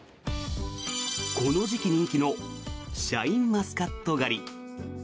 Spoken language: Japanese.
この時期人気のシャインマスカット狩り。